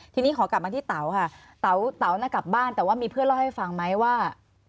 ทีนี้ขอกลับมาที่เต๋าค่ะเต๋าเต๋าน่ะกลับบ้านแต่ว่ามีเพื่อนเล่าให้ฟังไหมว่า